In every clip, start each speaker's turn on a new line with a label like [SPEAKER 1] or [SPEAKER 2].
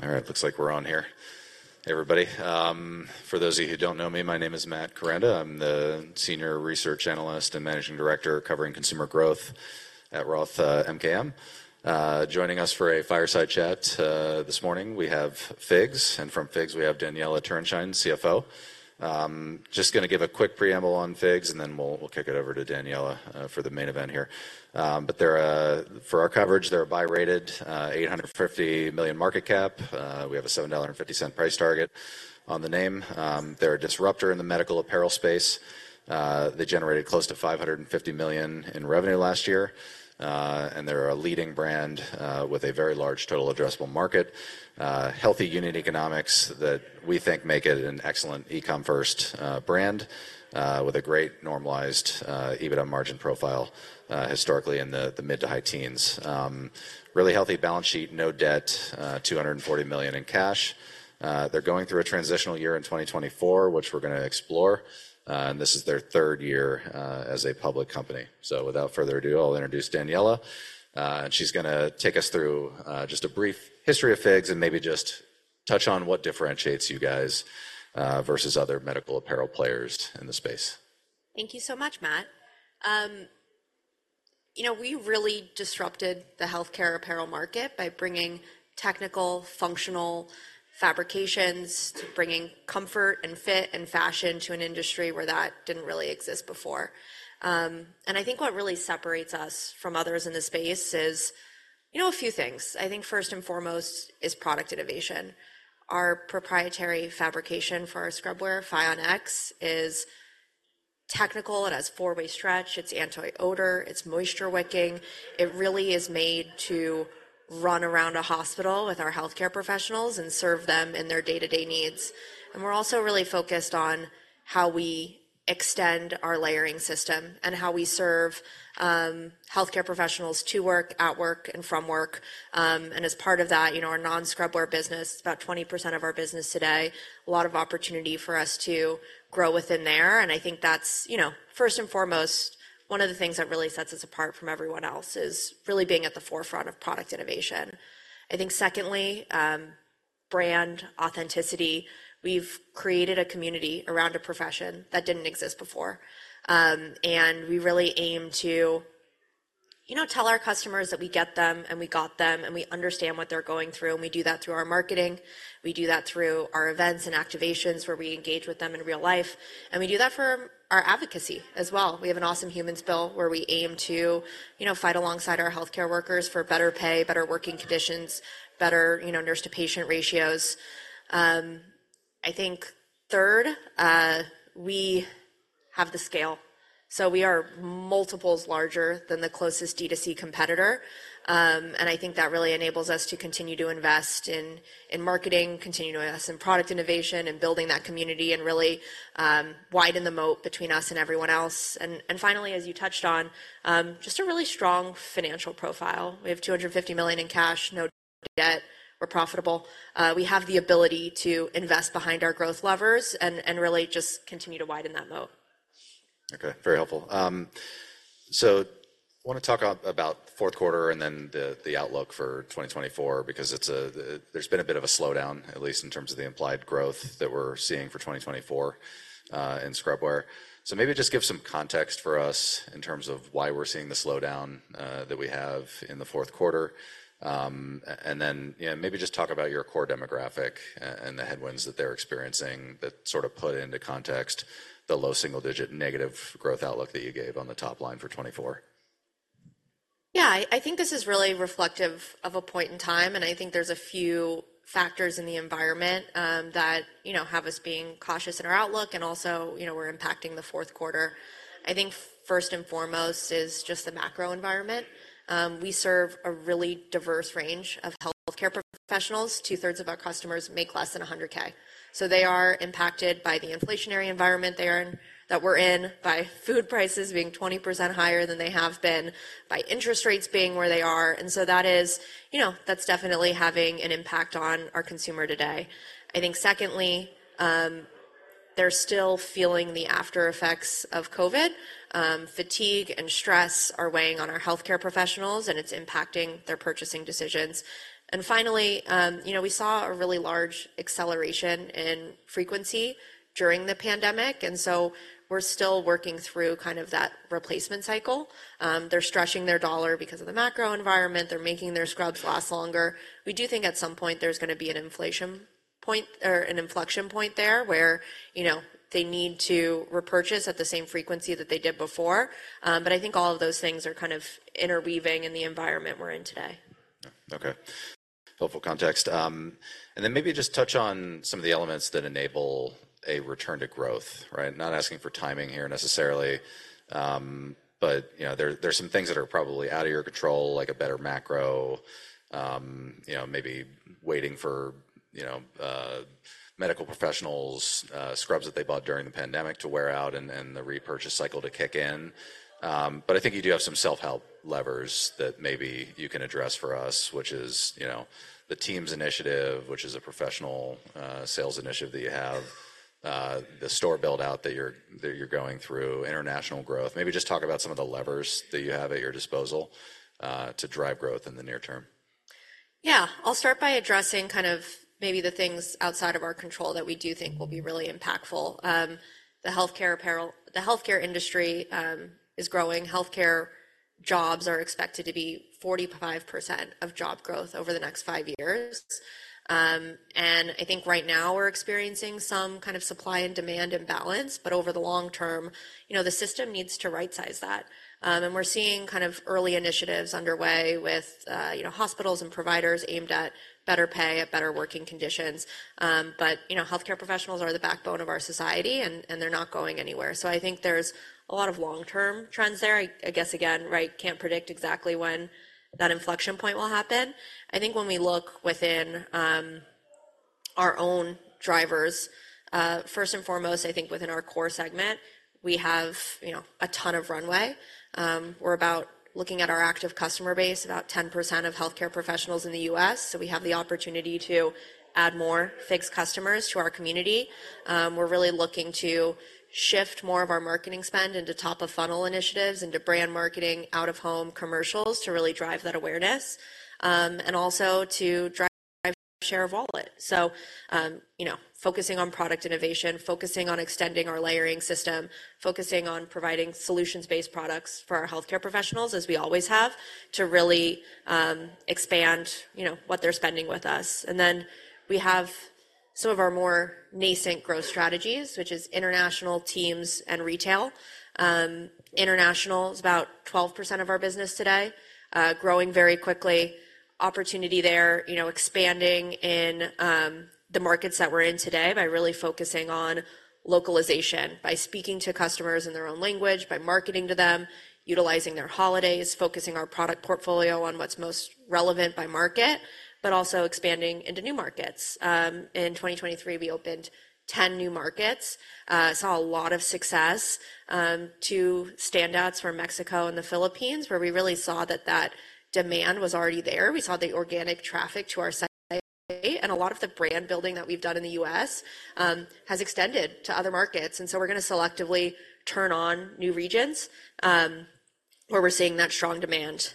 [SPEAKER 1] All right, looks like we're on here. Hey everybody, for those of you who don't know me, my name is Matt Koranda. I'm the Senior Research Analyst and Managing Director covering consumer growth at Roth MKM. Joining us for a fireside chat, this morning we have FIGS, and from FIGS we have Daniella Turenshine, CFO. Just going to give a quick preamble on FIGS and then we'll, we'll kick it over to Daniella, for the main event here. But they're, for our coverage, they're a buy-rated, $850 million market cap. We have a $7.50 price target on the name. They're a disruptor in the medical apparel space. They generated close to $550 million in revenue last year. And they're a leading brand, with a very large total addressable market. Healthy unit economics that we think make it an excellent e-com first brand, with a great normalized EBITDA margin profile, historically in the mid- to high-teens. Really healthy balance sheet, no debt, $240 million in cash. They're going through a transitional year in 2024, which we're going to explore. And this is their third year as a public company. So without further ado, I'll introduce Daniella. And she's going to take us through just a brief history of FIGS and maybe just touch on what differentiates you guys versus other medical apparel players in the space.
[SPEAKER 2] Thank you so much, Matt. You know, we really disrupted the healthcare apparel market by bringing technical, functional fabrications to bringing comfort and fit and fashion to an industry where that didn't really exist before. I think what really separates us from others in the space is, you know, a few things. I think first and foremost is product innovation. Our proprietary fabrication for our scrubwear, FIONx, is technical. It has four-way stretch. It's anti-odor. It's moisture-wicking. It really is made to run around a hospital with our healthcare professionals and serve them in their day-to-day needs. We're also really focused on how we extend our layering system and how we serve healthcare professionals to work, at work, and from work. As part of that, you know, our non-scrubwear business, about 20% of our business today, a lot of opportunity for us to grow within there. I think that's, you know, first and foremost, one of the things that really sets us apart from everyone else is really being at the forefront of product innovation. I think secondly, brand authenticity. We've created a community around a profession that didn't exist before. And we really aim to, you know, tell our customers that we get them and we got them and we understand what they're going through. And we do that through our marketing. We do that through our events and activations where we engage with them in real life. And we do that for our advocacy as well. We have an Awesome Humans Bill where we aim to, you know, fight alongside our healthcare workers for better pay, better working conditions, better, you know, nurse-to-patient ratios. I think third, we have the scale. So we are multiples larger than the closest D2C competitor. And I think that really enables us to continue to invest in, in marketing, continue to invest in product innovation, and building that community and really, widen the moat between us and everyone else. And, and finally, as you touched on, just a really strong financial profile. We have $250 million in cash, no debt. We're profitable. We have the ability to invest behind our growth levers and, and really just continue to widen that moat.
[SPEAKER 1] Okay, very helpful. So I want to talk about fourth quarter and then the outlook for 2024 because it's, there's been a bit of a slowdown, at least in terms of the implied growth that we're seeing for 2024, in scrubwear. So maybe just give some context for us in terms of why we're seeing the slowdown that we have in the fourth quarter. And then, you know, maybe just talk about your core demographic and the headwinds that they're experiencing that sort of put into context the low single-digit negative growth outlook that you gave on the top line for 2024.
[SPEAKER 2] Yeah, I think this is really reflective of a point in time. And I think there's a few factors in the environment that, you know, have us being cautious in our outlook. And also, you know, we're impacting the fourth quarter. I think first and foremost is just the macro environment. We serve a really diverse range of healthcare professionals. Two-thirds of our customers make less than $100,000. So they are impacted by the inflationary environment they are in that we're in, by food prices being 20% higher than they have been, by interest rates being where they are. And so that is, you know, that's definitely having an impact on our consumer today. I think secondly, they're still feeling the aftereffects of COVID. Fatigue and stress are weighing on our healthcare professionals, and it's impacting their purchasing decisions. Finally, you know, we saw a really large acceleration in frequency during the pandemic. So we're still working through kind of that replacement cycle. They're stretching their dollar because of the macro environment. They're making their scrubs last longer. We do think at some point there's going to be an inflection point there where, you know, they need to repurchase at the same frequency that they did before. But I think all of those things are kind of interweaving in the environment we're in today.
[SPEAKER 1] Okay. Helpful context. And then maybe just touch on some of the elements that enable a return to growth, right? Not asking for timing here necessarily, but, you know, there's some things that are probably out of your control, like a better macro, you know, maybe waiting for, you know, medical professionals, scrubs that they bought during the pandemic to wear out and the repurchase cycle to kick in. But I think you do have some self-help levers that maybe you can address for us, which is, you know, the Teams initiative, which is a professional sales initiative that you have, the store buildout that you're going through, international growth. Maybe just talk about some of the levers that you have at your disposal to drive growth in the near term.
[SPEAKER 2] Yeah, I'll start by addressing kind of maybe the things outside of our control that we do think will be really impactful. The healthcare apparel the healthcare industry, is growing. Healthcare jobs are expected to be 45% of job growth over the next five years. And I think right now we're experiencing some kind of supply and demand imbalance. But over the long term, you know, the system needs to right-size that. And we're seeing kind of early initiatives underway with, you know, hospitals and providers aimed at better pay, at better working conditions. But, you know, healthcare professionals are the backbone of our society, and, and they're not going anywhere. So I think there's a lot of long-term trends there. I, I guess, again, right, can't predict exactly when that inflection point will happen. I think when we look within our own drivers, first and foremost, I think within our core segment, we have, you know, a ton of runway. We're about looking at our active customer base, about 10% of healthcare professionals in the U.S. So we have the opportunity to add more FIGS customers to our community. We're really looking to shift more of our marketing spend into top-of-funnel initiatives, into brand marketing, out-of-home commercials to really drive that awareness, and also to drive share of wallet. So, you know, focusing on product innovation, focusing on extending our layering system, focusing on providing solutions-based products for our healthcare professionals, as we always have, to really expand, you know, what they're spending with us. And then we have some of our more nascent growth strategies, which is international TEAMS and retail. International is about 12% of our business today, growing very quickly. Opportunity there, you know, expanding in the markets that we're in today by really focusing on localization, by speaking to customers in their own language, by marketing to them, utilizing their holidays, focusing our product portfolio on what's most relevant by market, but also expanding into new markets. In 2023, we opened 10 new markets. We saw a lot of success, two standouts from Mexico and the Philippines, where we really saw that that demand was already there. We saw the organic traffic to our site, and a lot of the brand building that we've done in the US, has extended to other markets. And so we're going to selectively turn on new regions, where we're seeing that strong demand.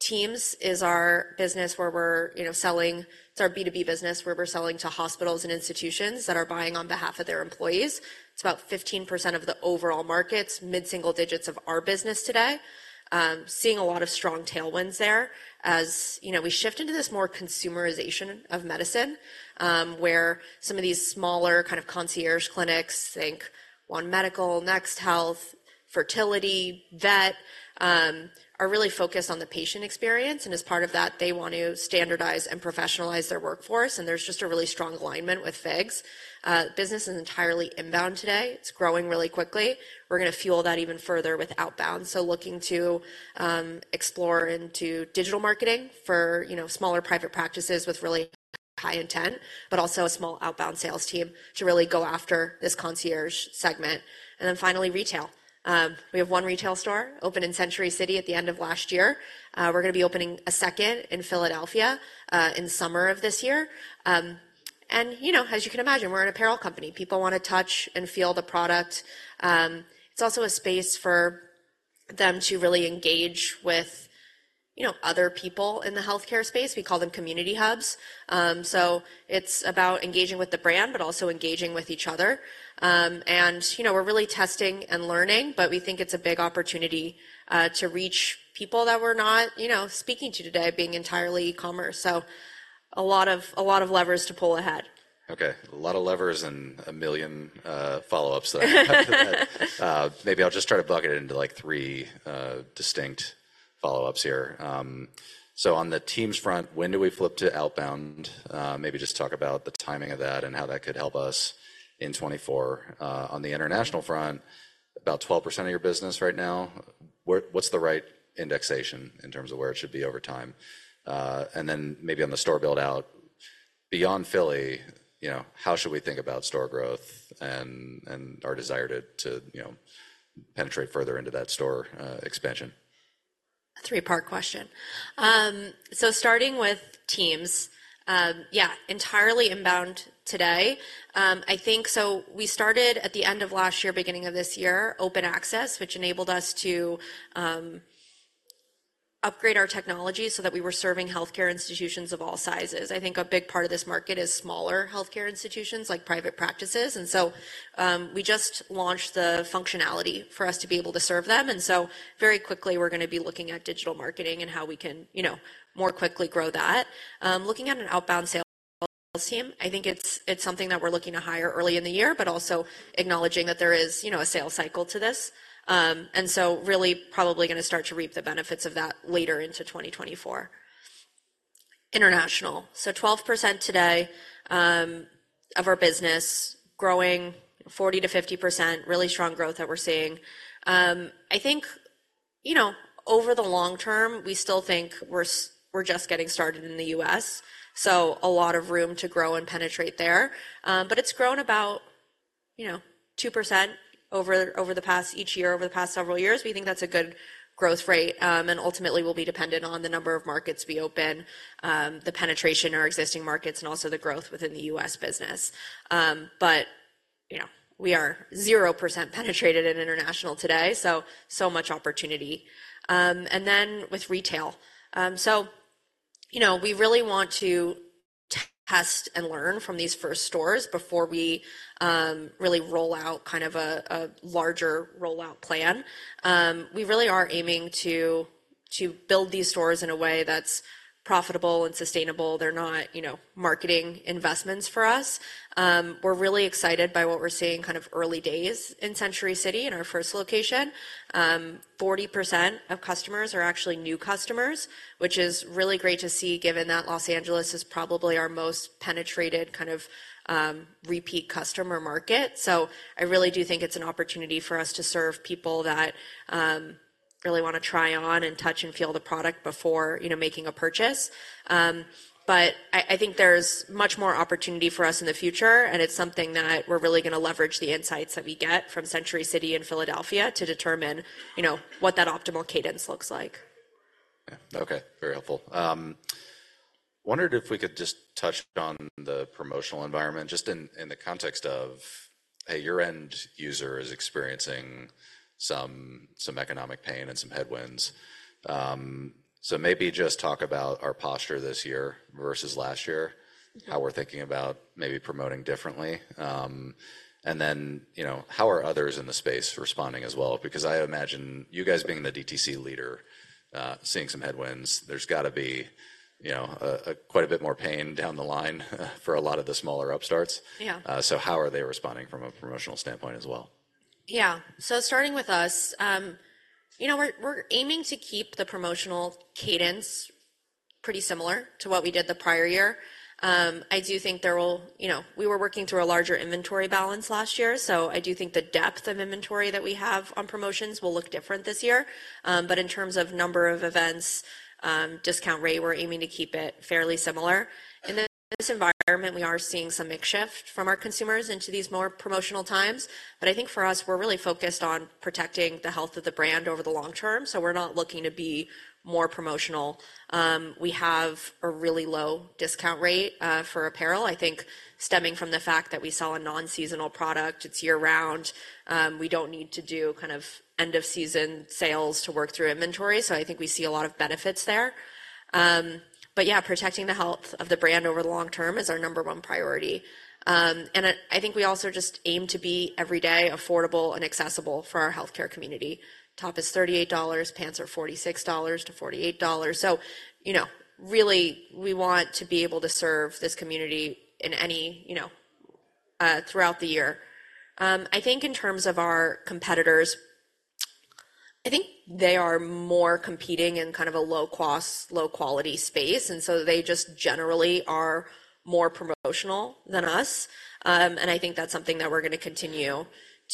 [SPEAKER 2] TEAMS is our business where we're, you know, selling. It's our B2B business where we're selling to hospitals and institutions that are buying on behalf of their employees. It's about 15% of the overall markets, mid-single digits of our business today. Seeing a lot of strong tailwinds there as, you know, we shift into this more consumerization of medicine, where some of these smaller kind of concierge clinics, think One Medical, Next Health, fertility, vet, are really focused on the patient experience. And as part of that, they want to standardize and professionalize their workforce. And there's just a really strong alignment with FIGS' business is entirely inbound today. It's growing really quickly. We're going to fuel that even further with outbound. So looking to, explore into digital marketing for, you know, smaller private practices with really high intent, but also a small outbound sales team to really go after this concierge segment. And then finally, retail. We have one retail store open in Century City at the end of last year. We're going to be opening a second in Philadelphia, in summer of this year. You know, as you can imagine, we're an apparel company. People want to touch and feel the product. It's also a space for them to really engage with, you know, other people in the healthcare space. We call them community hubs. It's about engaging with the brand, but also engaging with each other. You know, we're really testing and learning, but we think it's a big opportunity, to reach people that we're not, you know, speaking to today, being entirely e-commerce. A lot of levers to pull ahead.
[SPEAKER 1] Okay, a lot of levers and a million follow-ups that I have to add. Maybe I'll just try to bucket it into, like, three distinct follow-ups here. So on the teams front, when do we flip to outbound? Maybe just talk about the timing of that and how that could help us in 2024. On the international front, about 12% of your business right now. What's the right indexation in terms of where it should be over time? And then maybe on the store buildout, beyond Philly, you know, how should we think about store growth and our desire to you know, penetrate further into that store expansion?
[SPEAKER 2] A three-part question. So starting with TEAMS, yeah, entirely inbound today. I think so we started at the end of last year, beginning of this year, Open Access, which enabled us to upgrade our technology so that we were serving healthcare institutions of all sizes. I think a big part of this market is smaller healthcare institutions, like private practices. And so, we just launched the functionality for us to be able to serve them. And so very quickly, we're going to be looking at digital marketing and how we can, you know, more quickly grow that. Looking at an outbound sales team, I think it's, it's something that we're looking to hire early in the year, but also acknowledging that there is, you know, a sales cycle to this. And so really probably going to start to reap the benefits of that later into 2024. International. So 12% today, of our business, growing 40%-50%, really strong growth that we're seeing. I think, you know, over the long term, we still think we're, we're just getting started in the U.S. So a lot of room to grow and penetrate there. But it's grown about, you know, 2% over, over the past each year, over the past several years. We think that's a good growth rate. And ultimately, we'll be dependent on the number of markets we open, the penetration in our existing markets, and also the growth within the U.S. business. But, you know, we are 0% penetrated in international today. So, so much opportunity. And then with retail. So, you know, we really want to test and learn from these first stores before we, really roll out kind of a, a larger rollout plan. We really are aiming to build these stores in a way that's profitable and sustainable. They're not, you know, marketing investments for us. We're really excited by what we're seeing kind of early days in Century City, in our first location. 40% of customers are actually new customers, which is really great to see, given that Los Angeles is probably our most penetrated kind of repeat customer market. So I really do think it's an opportunity for us to serve people that really want to try on and touch and feel the product before, you know, making a purchase. But I think there's much more opportunity for us in the future, and it's something that we're really going to leverage the insights that we get from Century City and Philadelphia to determine, you know, what that optimal cadence looks like.
[SPEAKER 1] Yeah, okay, very helpful. Wondered if we could just touch on the promotional environment, just in the context of, hey, your end user is experiencing some economic pain and some headwinds. So maybe just talk about our posture this year versus last year, how we're thinking about maybe promoting differently. And then, you know, how are others in the space responding as well? Because I imagine you guys being the DTC leader, seeing some headwinds. There's got to be, you know, quite a bit more pain down the line for a lot of the smaller upstarts.
[SPEAKER 2] Yeah.
[SPEAKER 1] How are they responding from a promotional standpoint as well?
[SPEAKER 2] Yeah, so starting with us, you know, we're aiming to keep the promotional cadence pretty similar to what we did the prior year. I do think there will, you know, we were working through a larger inventory balance last year, so I do think the depth of inventory that we have on promotions will look different this year. But in terms of number of events, discount rate, we're aiming to keep it fairly similar. In this environment, we are seeing some mix shift from our consumers into these more promotional times. But I think for us, we're really focused on protecting the health of the brand over the long term, so we're not looking to be more promotional. We have a really low discount rate for apparel. I think stemming from the fact that we sell a non-seasonal product, it's year-round, we don't need to do kind of end-of-season sales to work through inventory. So I think we see a lot of benefits there. But yeah, protecting the health of the brand over the long term is our number one priority. I think we also just aim to be every day affordable and accessible for our healthcare community. Top is $38, pants are $46-$48. So, you know, really, we want to be able to serve this community in any, you know, throughout the year. I think in terms of our competitors, I think they are more competing in kind of a low-cost, low-quality space, and so they just generally are more promotional than us. I think that's something that we're going to continue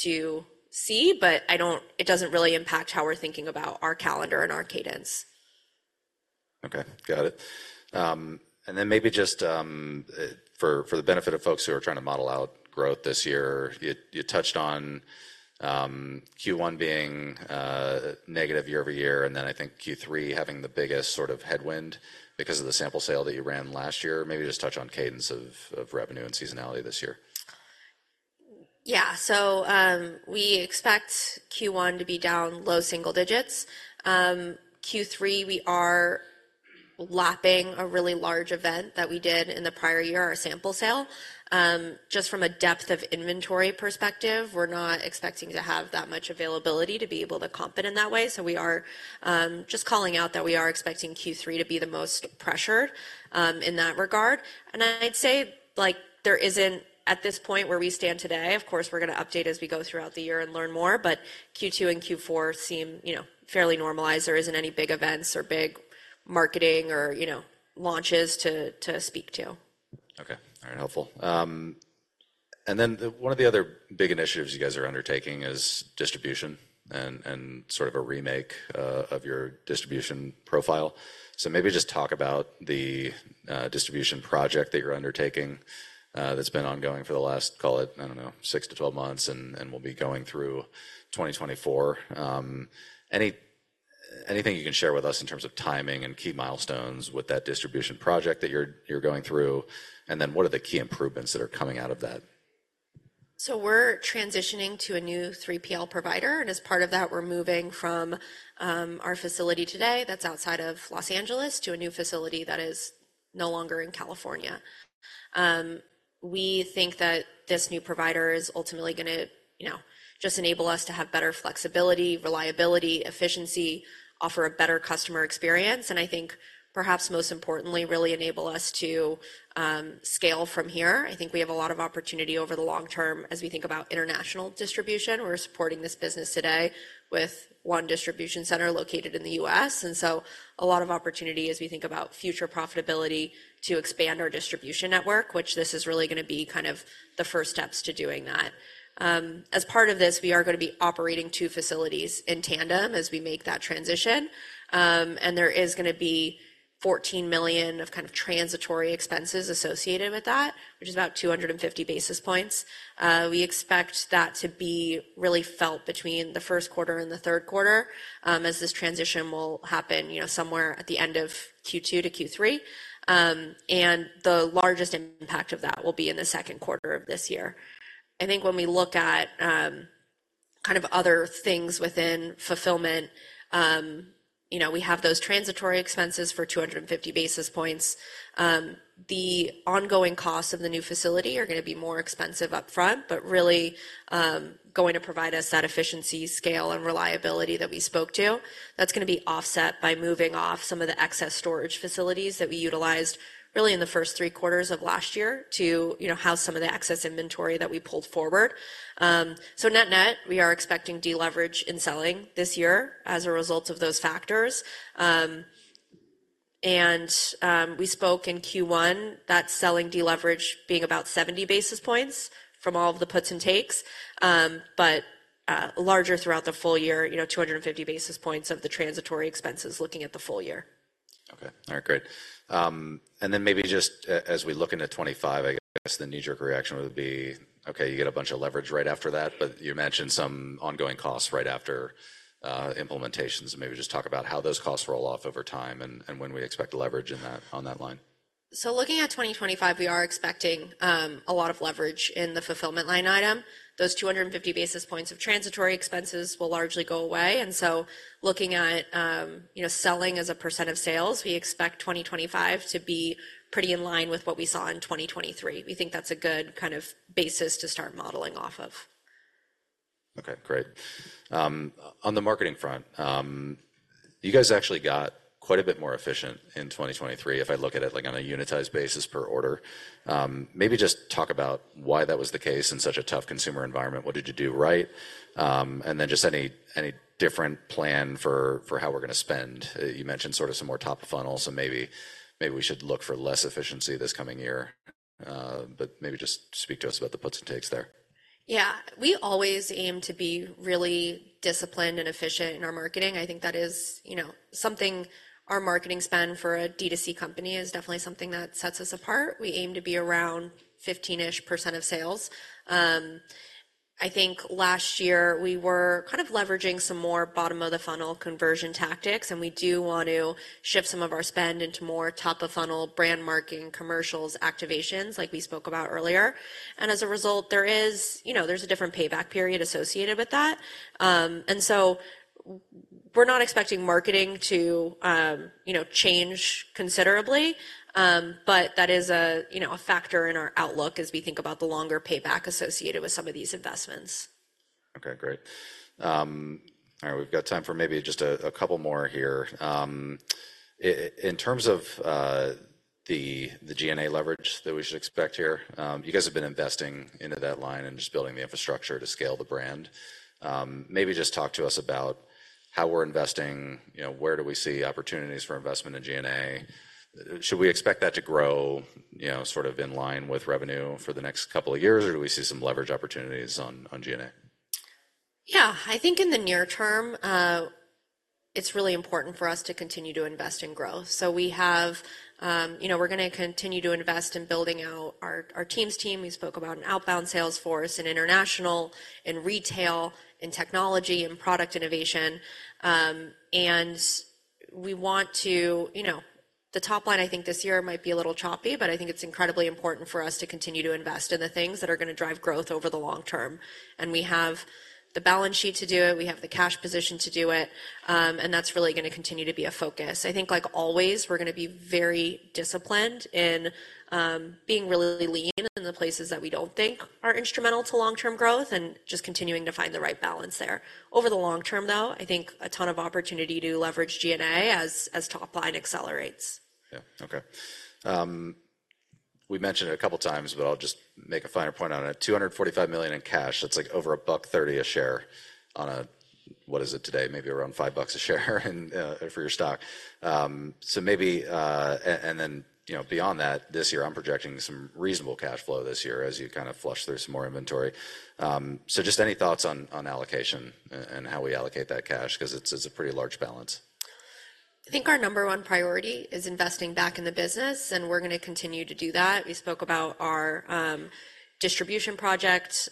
[SPEAKER 2] to see, but it doesn't really impact how we're thinking about our calendar and our cadence.
[SPEAKER 1] Okay, got it. And then maybe just, for the benefit of folks who are trying to model out growth this year, you touched on Q1 being negative year-over-year, and then I think Q3 having the biggest sort of headwind because of the sample sale that you ran last year. Maybe just touch on cadence of revenue and seasonality this year.
[SPEAKER 2] Yeah, so, we expect Q1 to be down low single digits. Q3, we are lapping a really large event that we did in the prior year, our sample sale. Just from a depth of inventory perspective, we're not expecting to have that much availability to be able to comp it in that way. So we are, just calling out that we are expecting Q3 to be the most pressured, in that regard. And I'd say, like, there isn't at this point where we stand today, of course, we're going to update as we go throughout the year and learn more, but Q2 and Q4 seem, you know, fairly normalized. There isn't any big events or big marketing or, you know, launches to speak to.
[SPEAKER 1] Okay, all right, helpful. And then one of the other big initiatives you guys are undertaking is distribution and, and sort of a remake of your distribution profile. So maybe just talk about the distribution project that you're undertaking, that's been ongoing for the last, call it, I don't know, 6-12 months, and, and we'll be going through 2024. Anything you can share with us in terms of timing and key milestones with that distribution project that you're, you're going through, and then what are the key improvements that are coming out of that?
[SPEAKER 2] So we're transitioning to a new 3PL provider, and as part of that, we're moving from our facility today that's outside of Los Angeles to a new facility that is no longer in California. We think that this new provider is ultimately going to, you know, just enable us to have better flexibility, reliability, efficiency, offer a better customer experience, and I think perhaps most importantly, really enable us to scale from here. I think we have a lot of opportunity over the long term as we think about international distribution. We're supporting this business today with one distribution center located in the U.S., and so a lot of opportunity as we think about future profitability to expand our distribution network, which this is really going to be kind of the first steps to doing that. As part of this, we are going to be operating two facilities in tandem as we make that transition. There is going to be $14 million of kind of transitory expenses associated with that, which is about 250 basis points. We expect that to be really felt between the first quarter and the third quarter, as this transition will happen, you know, somewhere at the end of Q2 to Q3. The largest impact of that will be in the second quarter of this year. I think when we look at, kind of other things within fulfillment, you know, we have those transitory expenses for 250 basis points. The ongoing costs of the new facility are going to be more expensive upfront, but really, going to provide us that efficiency, scale, and reliability that we spoke to. That's going to be offset by moving off some of the excess storage facilities that we utilized really in the first three quarters of last year to, you know, house some of the excess inventory that we pulled forward. So net-net, we are expecting deleverage in selling this year as a result of those factors. And we spoke in Q1 that selling deleverage being about 70 basis points from all of the puts and takes, but larger throughout the full year, you know, 250 basis points of the transitory expenses looking at the full year.
[SPEAKER 1] Okay, all right, great. And then maybe just as we look into 2025, I guess the knee-jerk reaction would be, okay, you get a bunch of leverage right after that, but you mentioned some ongoing costs right after, implementations. Maybe just talk about how those costs roll off over time and, and when we expect leverage in that on that line.
[SPEAKER 2] Looking at 2025, we are expecting a lot of leverage in the fulfillment line item. Those 250 basis points of transitory expenses will largely go away. So looking at, you know, selling as a % of sales, we expect 2025 to be pretty in line with what we saw in 2023. We think that's a good kind of basis to start modeling off of.
[SPEAKER 1] Okay, great. On the marketing front, you guys actually got quite a bit more efficient in 2023 if I look at it like on a unitized basis per order. Maybe just talk about why that was the case in such a tough consumer environment. What did you do right? And then just any, any different plan for, for how we're going to spend. You mentioned sort of some more top of funnel, so maybe, maybe we should look for less efficiency this coming year. But maybe just speak to us about the puts and takes there.
[SPEAKER 2] Yeah, we always aim to be really disciplined and efficient in our marketing. I think that is, you know, something our marketing spend for a D2C company is definitely something that sets us apart. We aim to be around 15%-ish of sales. I think last year we were kind of leveraging some more bottom-of-the-funnel conversion tactics, and we do want to shift some of our spend into more top-of-funnel brand marketing, commercials, activations like we spoke about earlier. And as a result, there is, you know, there's a different payback period associated with that. And so we're not expecting marketing to, you know, change considerably, but that is a, you know, a factor in our outlook as we think about the longer payback associated with some of these investments.
[SPEAKER 1] Okay, great. All right, we've got time for maybe just a couple more here. In terms of the G&A leverage that we should expect here, you guys have been investing into that line and just building the infrastructure to scale the brand. Maybe just talk to us about how we're investing, you know, where do we see opportunities for investment in G&A? Should we expect that to grow, you know, sort of in line with revenue for the next couple of years, or do we see some leverage opportunities on G&A?
[SPEAKER 2] Yeah, I think in the near term, it's really important for us to continue to invest in growth. So we have, you know, we're going to continue to invest in building out our TEAMS team. We spoke about an outbound sales force in international, in retail, in technology, in product innovation. And we want to, you know, the top line, I think this year might be a little choppy, but I think it's incredibly important for us to continue to invest in the things that are going to drive growth over the long term. And we have the balance sheet to do it. We have the cash position to do it. And that's really going to continue to be a focus. I think, like always, we're going to be very disciplined in being really lean in the places that we don't think are instrumental to long-term growth and just continuing to find the right balance there. Over the long term, though, I think a ton of opportunity to leverage G&A as top line accelerates.
[SPEAKER 1] Yeah, okay. We mentioned it a couple times, but I'll just make a finer point on it. $245 million in cash, that's like over $1.30 a share on a, what is it today, maybe around $5 a share in, for your stock. So maybe, and, and then, you know, beyond that, this year, I'm projecting some reasonable cash flow this year as you kind of flush through some more inventory. So just any thoughts on, on allocation and, and how we allocate that cash because it's, it's a pretty large balance?
[SPEAKER 2] I think our number one priority is investing back in the business, and we're going to continue to do that. We spoke about our distribution project,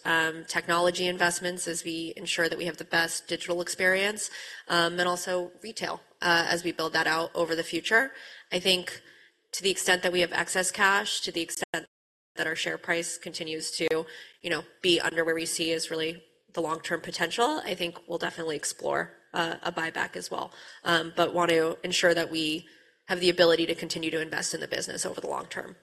[SPEAKER 2] technology investments as we ensure that we have the best digital experience, and also retail, as we build that out over the future. I think to the extent that we have excess cash, to the extent that our share price continues to, you know, be under where we see is really the long-term potential, I think we'll definitely explore a buyback as well, but want to ensure that we have the ability to continue to invest in the business over the long term.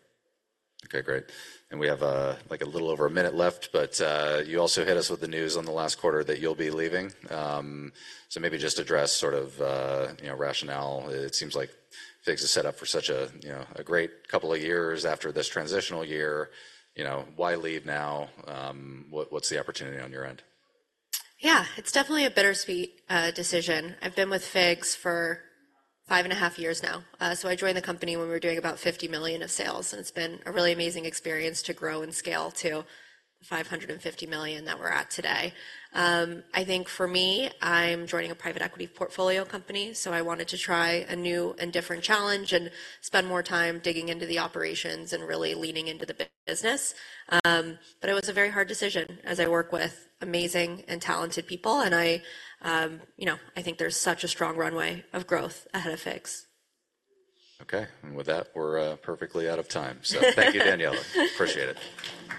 [SPEAKER 1] Okay, great. And we have a, like a little over a minute left, but, you also hit us with the news on the last quarter that you'll be leaving. So maybe just address sort of, you know, rationale. It seems like FIGS is set up for such a, you know, a great couple of years after this transitional year. You know, why leave now? What, what's the opportunity on your end?
[SPEAKER 2] Yeah, it's definitely a bittersweet decision. I've been with FIGS for five and a half years now. So I joined the company when we were doing about $50 million of sales, and it's been a really amazing experience to grow and scale to the $550 million that we're at today. I think for me, I'm joining a private equity portfolio company, so I wanted to try a new and different challenge and spend more time digging into the operations and really leaning into the business. But it was a very hard decision as I work with amazing and talented people, and I, you know, I think there's such a strong runway of growth ahead of FIGS.
[SPEAKER 1] Okay, and with that, we're perfectly out of time. So thank you, Daniella. Appreciate it.